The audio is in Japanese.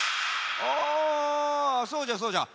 あそうじゃそうじゃ。